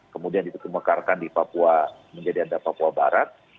kemudian dimekarkan di papua menjadi ada papua barat